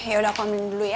yaudah aku ambilin dulu ya